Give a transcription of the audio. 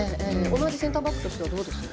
同じセンターバックとしてはどうですか。